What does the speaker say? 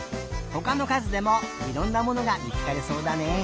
ほかのかずでもいろんなものがみつかりそうだね。